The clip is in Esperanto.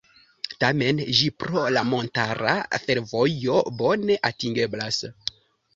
Tamen ĝi pro la montara fervojo bone atingeblas.